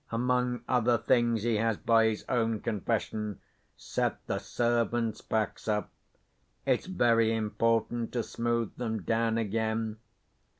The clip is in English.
Among other things, he has, by his own confession, set the servants' backs up. It's very important to smooth them down again.